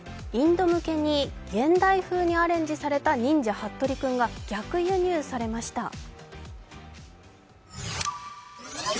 インド向けに現代風にアレンジされた「忍者ハットリくん」が逆輸入されました。